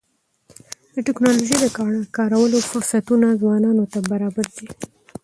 د ټکنالوژۍ د کارولو فرصتونه ځوانانو ته برابر دي.